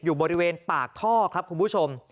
อยู่บริเวณปากท่อครับคุณผู้ชม